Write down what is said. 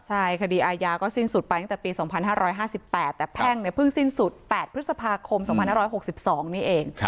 ใช่คดีอาญาก็สิ้นสุดไปตั้งแต่ปี๒๕๕๘แต่แพ่งเพิ่งสิ้นสุด๘พฤษภาคม๒๕๖๒นี่เอง